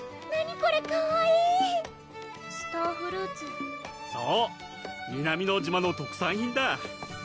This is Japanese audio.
これかわいいスターフルーツそう南乃島の特産品だ